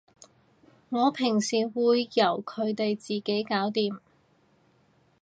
我平時會由你哋自己搞掂